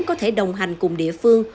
có thể đồng hành cùng địa phương